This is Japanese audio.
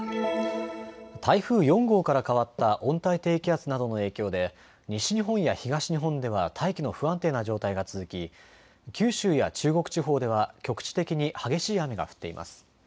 台風４号から変わった温帯低気圧などの影響で西日本や東日本では大気の不安定な状態が続き、九州や中国地方では局地的に激しい雨が降っています。